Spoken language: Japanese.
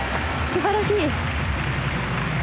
すばらしい。